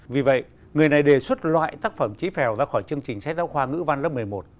vì vậy người này đề xuất loại tác phẩm trí phèo ra khỏi chương trình sách giáo khoa ngữ văn lớp một mươi một